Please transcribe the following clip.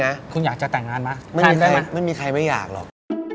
คุณอยากจะแต่งงานไหมแทนได้ไหมไม่มีใครไม่อยากหรอกแทนได้ไหมไม่มีใครไม่อยากหรอก